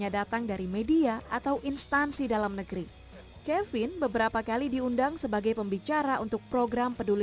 saya benar benar sampai baca beberapa kali sebelum saya memutuskan untuk mendaftar ini